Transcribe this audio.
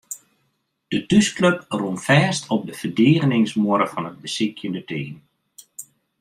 De thúsklup rûn fêst op de ferdigeningsmuorre fan it besykjende team.